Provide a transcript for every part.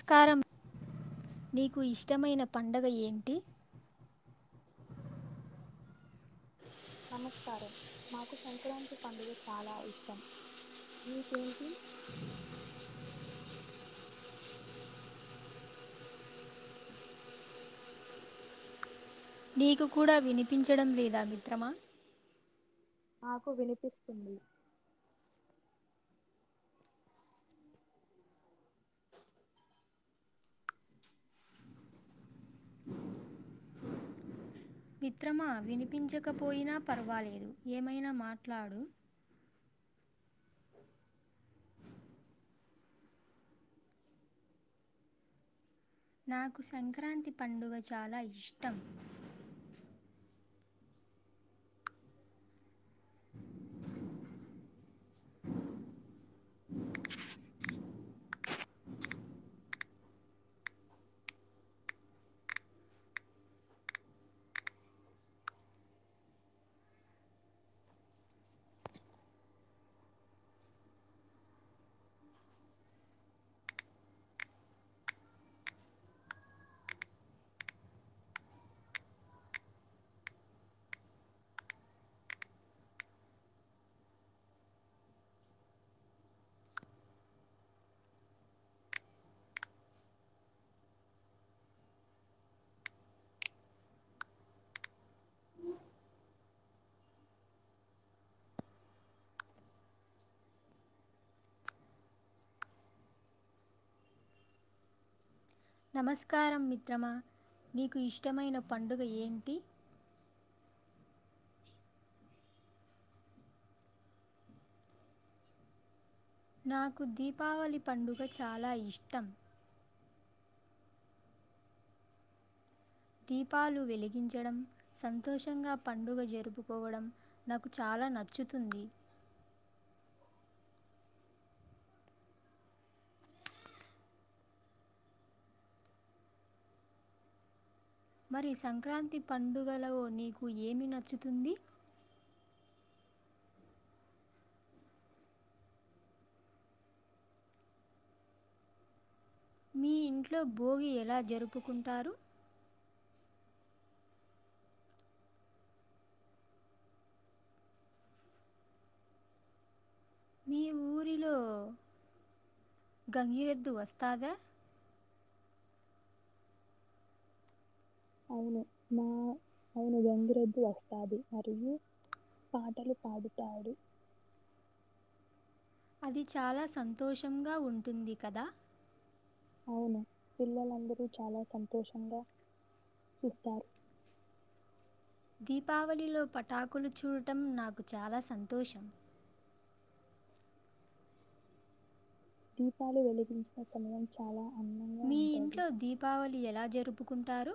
స్కారం నీకు ఇష్టమైన పండగ ఏంటి నమస్కారం మాకు సంక్రాంతి పండుగ చాలా ఇష్టం మీకేంటి నీకు కూడా వినిపించడం లేదా మిత్రమా నాకు వినిపిస్తుంది మిత్రమా వినిపించకపోయినా పర్వాలేదు ఏమైనా మాట్లాడు నాకు సంక్రాంతి పండుగ చాలా ఇష్టం నమస్కారం మిత్రమా నీకు ఇష్టమైన పండుగ ఏంటి నాకు దీపావళి పండుగ చాలా ఇష్టం దీపాలు వెలిగించడం సంతోషంగా పండుగ జరుపుకోవడం నాకు చా లా నచ్చుతుంది మరి సంక్రాంతి పండుగలో నీకు ఏమి నచ్చుతుంది మీ ఇంట్లో భోగి ఎలా జరుపుకుంటారు మీ ఊరిలో గంగిరెద్దు వస్తాదా అవును మా అవును గంగిరెద్దు వస్తాది మరియు పాటలు పాడుతాడు అది చాలా సంతోషంగా ఉంటుంది కదా అవును పిల్లలందరూ చాలా సంతోషంగా చూస్తారు దీపావళిలో పటాకులు చూడటం నాకు చాలా సంతోషం దీపాలు వెలిగించిన సమయం చాలా అందంగా మీ ఉంటది ఇంట్లో దీపావళి ఎలా జరుపుకుంటారు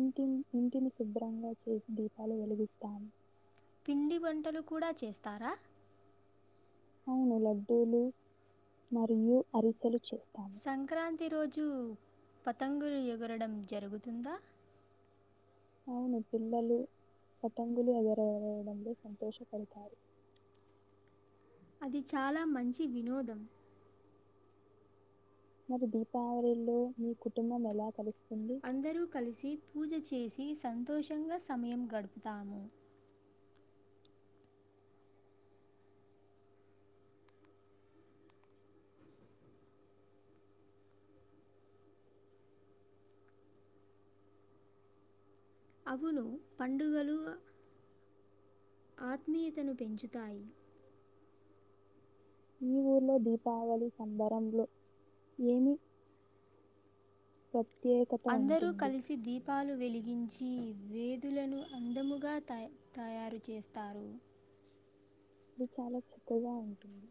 ఇంటిన్ ఇంటిని శుభ్రంగా చేసి దీపాలు వెలిగిస్తామ్ పిండి వంటలు కూడా చేస్తారా అవును లడ్డూలు మరియు అరిసెలు చే సంక్రాంతి రోజు పతంగులు ఎగరడం జరుగుతుందా అవును పిల్లలు పతంగులి ఎగరావేయడం లో సంతోషపడతారు అది చాలా మంచి వినోదం మరి దీపావళిలో మీ కుటుంబం ఎలా కలుస్తుంది అందరూ కలిసి పూజ చేసి సంతోషంగా సమయం గడుపుతాము అవున పండుగలు ఆత్మీయతను పెంచుతాయి ఈ ఊర్లో దీపావళి సంబరంలో ఏమి స అందరూ కలిసి దీపాలు వెలిగిం జి వేధులను అందముగా తయ తయారు చేస్తారు అది చాలా చక్కగా ఉంటుంది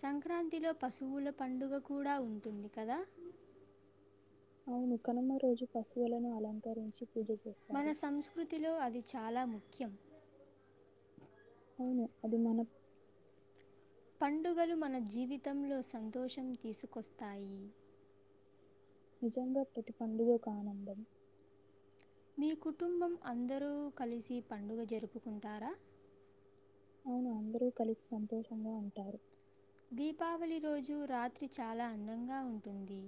సంక్రాంతిలో పశువుల పండుగ కూడా ఉంటుంది కదా అవును కనుమ్మ రోజు పశువులను అలంకరించి పూజ మన చేస్తారు. సంస్కృతిలో అది చాలా ముఖ్యం అవును అది మన పండుగలు మన జీవితంలో సంతోషం తీసుకొస్తాయి నిజంగా ప్రతి పండుగకు ఆనందం మీ కుటుంబం అందరూ కలిసి పండుగ జరుపుకుంటారా అవును అందరూ కలిసి సంతోషంగా ఉంటారు దీపావళి రోజు రాత్రి చాలా అందంగా ఉంటుంది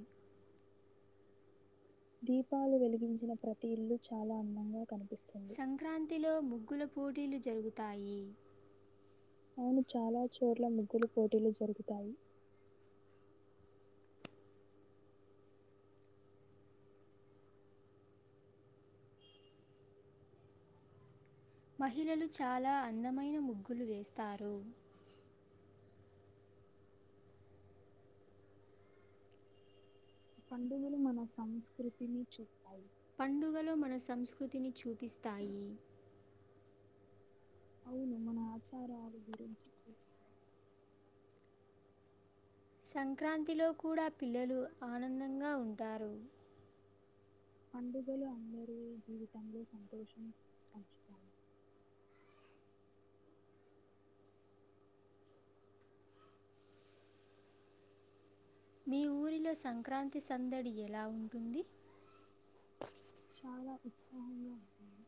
దీపాలు వెలిగించిన ప్రతి ఇల్లు చాలా అందంగా కనిపిస్తుంది. సంక్రాంతిలో ముగ్గుల పోటీలు జరుగుతాయి అయను చాలా చోట్ల ముగ్గులు పోటీలు జరుగుతాయి మహిళలు చాలా అందమైన ముగ్గులు వేస్తారు పండుగలు మన సంస్కృతిని చూతాయి పండుగలో మన సంస్కృతిని చూపిస్తాయి అవును మన ఆచారాల గురించి చూస్తారు సంక్రాంతిలో కూడా పిల్లలు ఆనందంగా ఉంటారు పండుగలు అందరిూ జీవితంలో సంతోషం పంచుతారు మీ ఊరిలో సంక్రాంతి సందడి ఎలా ఉంటుంది చాలా ఉత్సాహంగా ఉంటయి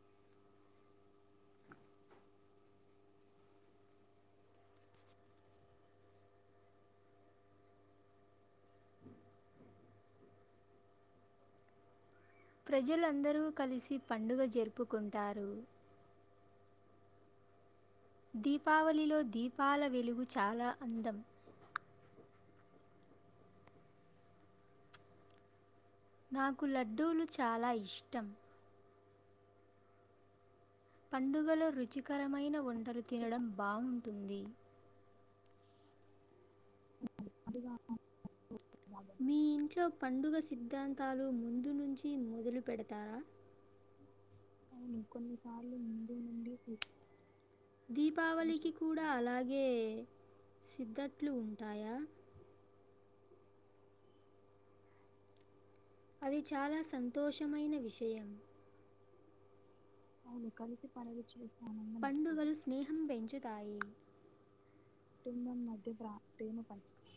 ప్రజలుందరూ కలిసి పండుగ జరుపుకుంటారు దీపావళిలో దీపాల వెలుగు చాలా అందం నాకు లడ్డూలు చాలా ఇష్టం పండుగలో రుచికరమైన వంటలు ఇది తినడం బావుంటుంది [unintelligible] భాగం మీ ఇంట్లో పండుగ సిద్ధాంతాలు ముందు నుంచి మొదలు పెడతారా అవును కొన్ని సార్లు ముందు నుండి సిద్ధం దీపావళికి కూడా చేస్తాము అలాగే సిద్ధట్లు ఉంటాయా అది చాలా సంతోషమైన విషయం అవును కలిసి పడ వచ్చేస్తా పండుగలు స్నేహం పెంచుతాయి కుటుంబం మధ్యపా ప్రేమ పాంచు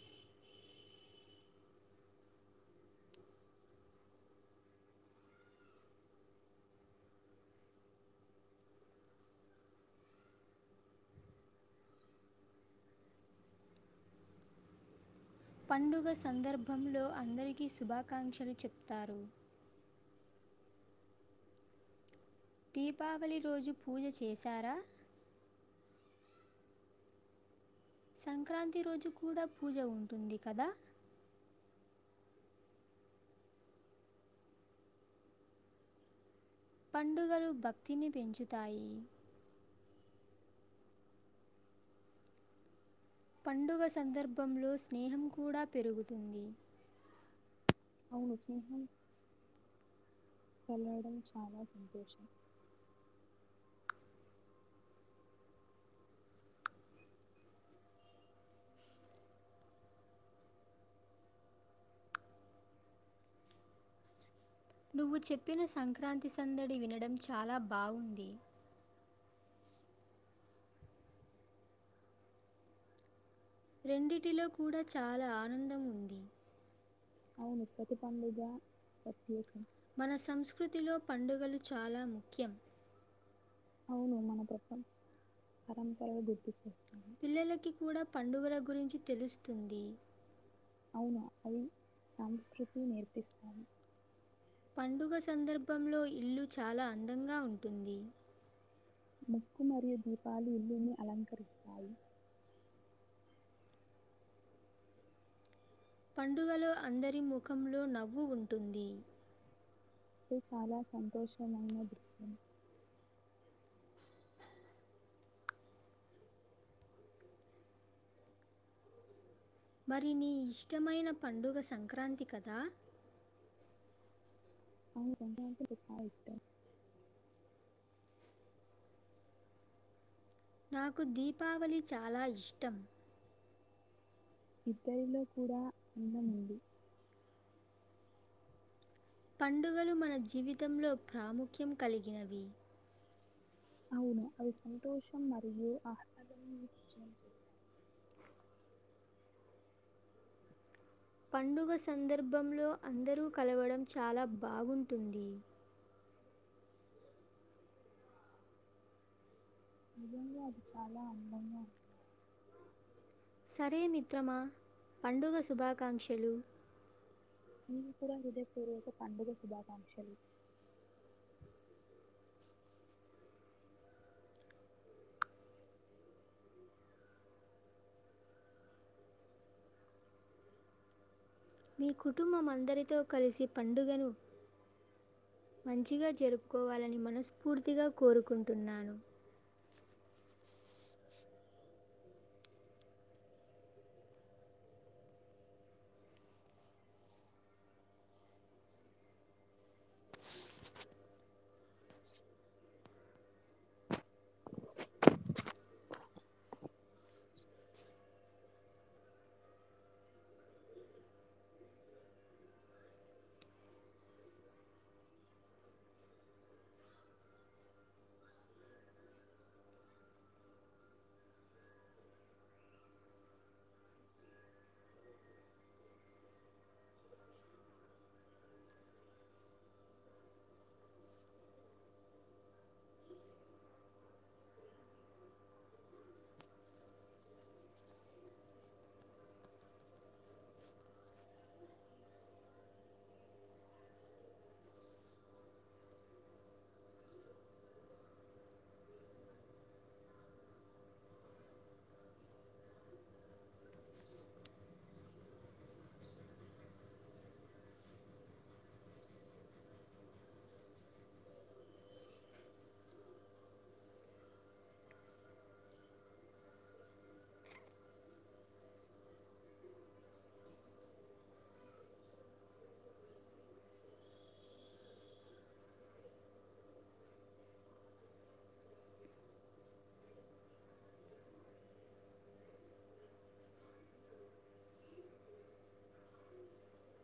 పండుగ సందర్భంలో అందరికీ శుభాకాంక్షలు చెప్తారు. దీపావళి రోజు పూజ చేశార సంక్రాంతి రోజు కూడా పూజ ఉంటుంది కద. పండుగలు భక్తిని పెంచుతాయి. పండుగ సందర్భంలో స్నేహం కూడా పెరుగుతుంది. అవును సీహన్ కలడం చాలా సంతోషం. నువ్వు చెప్పిన సంక్రాంతి సందడి వినడం చాలా బావుంది. రెండిటిలో కూడా చాలా ఆనందం ఉంది. అవును ప్రతి పండుగ ప్రత్యేకం మన సంస్కృతిలో పండుగలు చాలా ముఖ్యం. అవును మన ప్రతన్ పరంపరలు గుర్తు చేస్ పిల్లలకి కూడా పండుగల గురించి తెలుస్తుంది. అవునా అవి సంస్కృతి నేర్పిస్తాయి. పండుగ సందర్భంలో ఇల్లు చాలా అందంగా ఉంటుంది. ముక్కు మరియు దీపాలు ఇల్లుని అలంకరిస్తాయి. పండుగలో అందరి ముఖంలో నవ్వు ఉంటుంది. ది చాలా సంతోషమైన దృశ్యం మరి నీ ఇష్టమైన పండుగ సంక్రాంతి కదా. అవును సంక్రాంతి అంటే చాలా ఇష్టం నాకు దీపావళి చాలా ఇష్టం. ఇద్దరిలో కూడా అందముంది పండుగలు మన జీవితంలో ప్రాముఖ్యం కలిగినవి. అవును అవి సంతోషం మరియు ఆహ్లాదాన్ని ఇచ్చేవి. పండుగ సందర్భంలో అందరూ కలవడం చాలా బాగుంటుంది. నిజంగా అది చాలా అందంగా సరే మిత్రమా పండుగ శుభాకాంక్షలు. నీకు కూడా హృదయపూర్వక పండుగ శుభాకాంక్షలు. మీ కుటుంబం అందరితో కలిసి పండుగను మంచిగా జరుపుకోవాలని మనస్ఫూర్తిగా కోరుకుంటున్నాను.